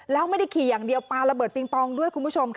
แล้วไม่ได้ขี่อย่างเดียวปลาระเบิดปิงปองด้วยคุณผู้ชมค่ะ